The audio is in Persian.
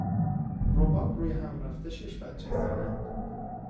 رباب رویهمرفته شش بچه زایید.